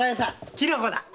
キノコだ！